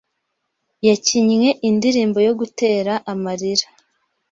Yakinnye indirimbo yo gutera amarira